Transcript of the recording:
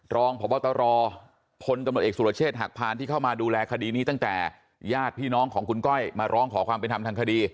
รองพบตรพลตำรวจเอกสุรเชษฐหักพานที่เข้ามาดูแลคดีนี้ตั้งแต่ญาติพี่น้องของคุณก้อยมาร้องขอความเป็นธรรมทางคดี